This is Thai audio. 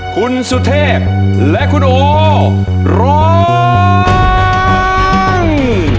คุณสุเทพและคุณโอร้อง